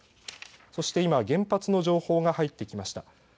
そしていま原発の情報が入ってきました。